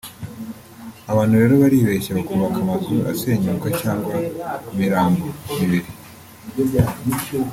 abantu rero baribeshya bakubaka amazu asenyuka cyangwa imirambo (imibiri)